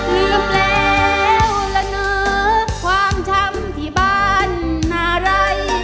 ลืมแล้วละเนอะความช้ำที่บ้านนารัย